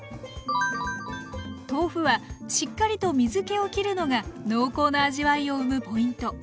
豆腐はしっかりと水けをきるのが濃厚な味わいを生むポイント。